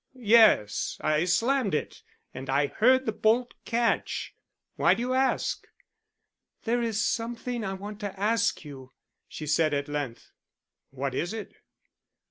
"Yes. I slammed it and I heard the bolt catch. Why do you ask?" "There is something I want to ask you," she said, at length. "What is it?"